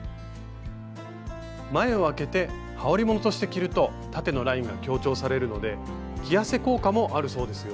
前を開けてはおりものとして着ると縦のラインが強調されるので着痩せ効果もあるそうですよ。